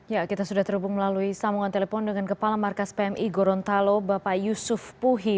ya kita sudah terhubung melalui sambungan telepon dengan kepala markas pmi gorontalo bapak yusuf puhi